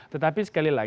tetapi sekali lagi